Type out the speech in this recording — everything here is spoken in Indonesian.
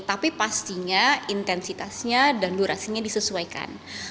tapi pastinya intensitasnya dan durasinya disesuaikan